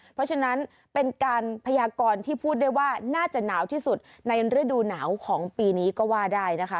เพราะฉะนั้นเป็นการพยากรที่พูดได้ว่าน่าจะหนาวที่สุดในฤดูหนาวของปีนี้ก็ว่าได้นะคะ